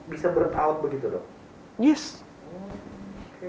bisa berat awet begitu dok